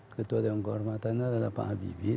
ketua dewan kehormatannya adalah pak habibie